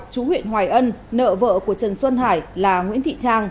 chú huyện hoài ân nợ vợ của trần xuân hải là nguyễn thị trang